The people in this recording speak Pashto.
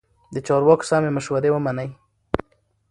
د چارواکو سمې مشورې ومنئ.